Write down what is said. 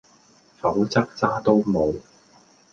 否則渣都無